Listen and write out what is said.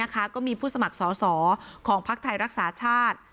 ก็มีผู้สมัครสอของภาคไทยรักษาชาติ